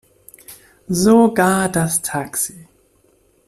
Sogar das Taxi.